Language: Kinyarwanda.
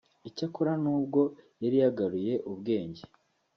Icyakora n’ubwo yari yagaruye ubwenge